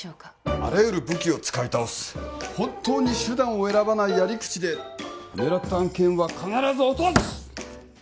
あらゆる武器を使い倒す本当に手段を選ばないやり口で狙った案件は必ず落とす！